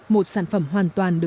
một sản phẩm hoàn toàn được nhận ra